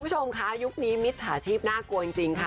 คุณผู้ชมคะยุคนี้มิจฉาชีพน่ากลัวจริงค่ะ